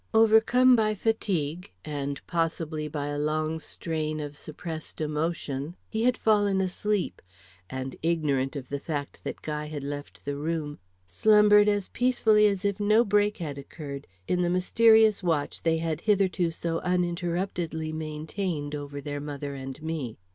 Overcome by fatigue, and possibly by a long strain of suppressed emotion, he had fallen asleep, and, ignorant of the fact that Guy had left the room, slumbered as peacefully as if no break had occurred in the mysterious watch they had hitherto so uninterruptedly maintained over their mother and me.